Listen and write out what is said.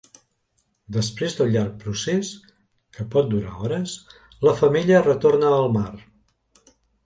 Després del llarg procés, que pot durar hores, la femella retorna al mar.